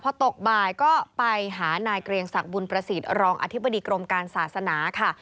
พอตกบ่ายก็ไปหานายเกรียงศักดิ์บุญประสิทธิ์รองอธิบดีกรมการศาสนาค่ะ